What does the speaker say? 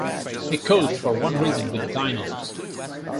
He coached for one season with the Dinos.